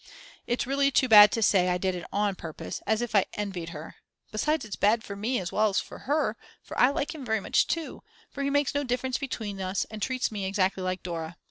It's really too bad to say I did it on purpose, as if I envied her. Besides it's bad for me as well as for her, for I like him very much too, for he makes no difference between us and treats me exactly like Dora.